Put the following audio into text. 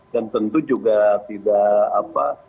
dan tentu juga tidak apa